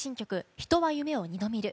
「人は夢を二度見る」